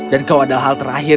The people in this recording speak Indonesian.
dan kau adalah hal terakhir